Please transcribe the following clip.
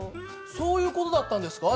そういう事だったんですか？